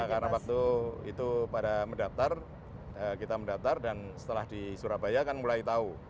karena waktu itu pada mendaftar kita mendaftar dan setelah di surabaya kan mulai tahu